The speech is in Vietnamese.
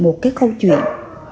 một cái câu chuyện